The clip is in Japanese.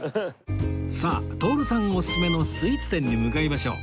さあ徹さんオススメのスイーツ店に向かいましょう